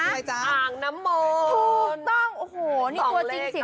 ใครจ๊ะอ่างน้ำมนถูกต้องโอ้โหนี่ตัวจริงสิ่งจริง